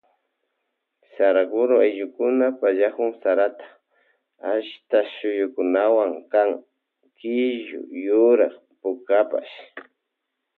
Saraguro ayllukuna pallakun sarata achka shuyuwankuna kan killu yurak pukapash.